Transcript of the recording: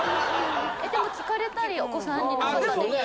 でも聞かれたりお子さんになかったですか？